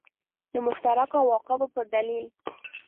د مشترکو عواقبو په دلیل.